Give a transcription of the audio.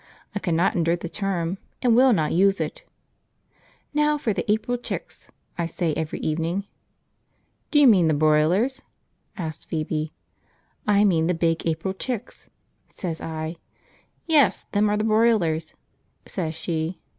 I cannot endure the term, and will not use it. "Now for the April chicks," I say every evening. "Do you mean the broilers?" asks Phoebe. "I mean the big April chicks," say I. "Yes, them are the broilers," says she.